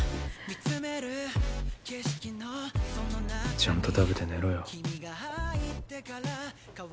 ちゃんと食べて寝ろよ